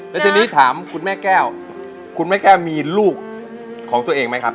แล้วทีนี้ถามคุณแม่แก้วคุณแม่แก้วมีลูกของตัวเองไหมครับ